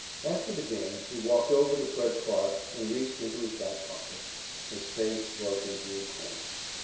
After the game, he walked over to Fred Clarke, and reached into his back pocket. His face broke into a grin.